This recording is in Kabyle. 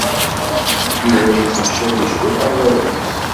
Yuba yettemcabi cwiṭ ɣer baba-s.